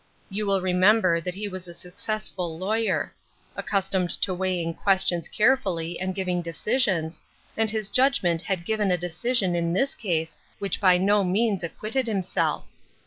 You will remember that he was a successful lawyer ; accustomed to weighing questions carefully, and giving decisions, I46 " THE DEED FOR THE WILL." and his judgment had given a decision in this case which by no means acquitted himself.